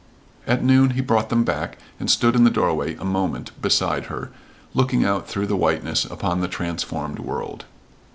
At noon he brought them back, and stood in the doorway a moment beside her, looking out through the whiteness upon the transformed world.